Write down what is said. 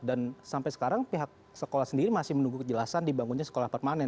dan sampai sekarang pihak sekolah sendiri masih menunggu kejelasan dibangunnya sekolah permanen